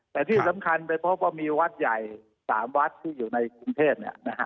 แต่ที่สำคัญไปพบว่ามีวัดใหญ่๓วัดที่อยู่ในกรุงเทพ